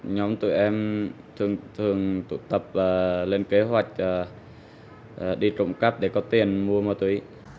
nhóm tụi em thường tụ tập và lên kế hoạch đi trộm cắp để có tiền mua ma túy